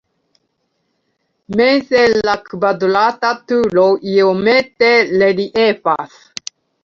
Meze la kvadrata turo iomete reliefas.